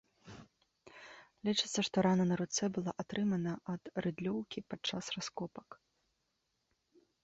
Лічыцца, што рана на руцэ была атрымана ад рыдлёўкі падчас раскопак.